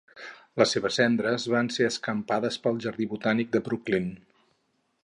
Les seves cendres van ser escampades pel jardí botànic de Brooklyn.